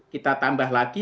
kita tambah lagi